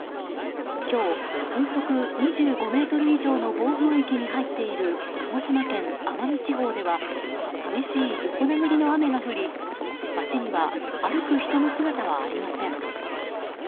今日、風速２５メートル以上の暴風域に入っている鹿児島県奄美地方では激しい横殴りの雨が降り街には歩く人の姿はありません。